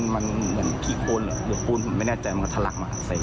มันเหมือนขี้คนหรือปูนผมไม่แน่ใจมันก็ทะลักมาใส่